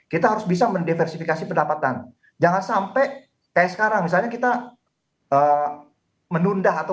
kita harus bisa mendiversifikasi pendapatan jangan sampai kayak sekarang misalnya kita menunda atau